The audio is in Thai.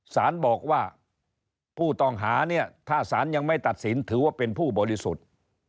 สารบอกว่าผู้ต้องหาเนี่ยถ้าสารยังไม่ตัดสินถือว่าเป็นผู้บริสุทธิ์